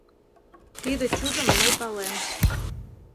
Тиде чудым мый палем.